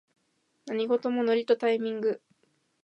何事もノリとタイミング